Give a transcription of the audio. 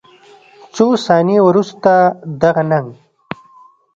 څو ثانیې وروسته دغه نهنګ